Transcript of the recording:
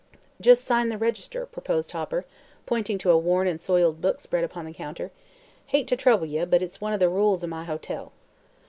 "Jest sign the register," proposed Hopper, pointing to a worn and soiled book spread upon the counter. "Hate to trouble ye, but it's one o' the rules o' my hotel."